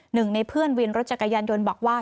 หนึ่งในเพื่อนวินรถจักรยานยนต์บอกว่า